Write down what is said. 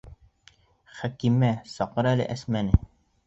Хәкимә, саҡыр әле Әсмәне.